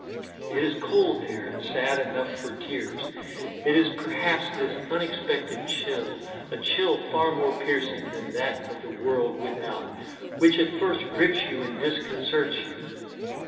It is cold there and sad enough for tears. It is perhaps this unexpected chill, a chill far more piercing than that of the world without, which at first grips you and disconcerts you.